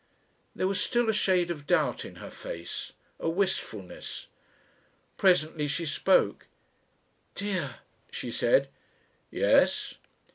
There was still a shade of doubt in her face, a wistfulness. Presently she spoke. "Dear," she said. "Yes?"